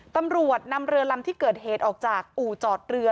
ตำรวจนำเรือลำที่เกิดเหตุออกจากอู่จอดเรือ